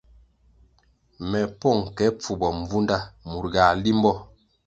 Me pong ke pfubo mbvunda mur ga limbo.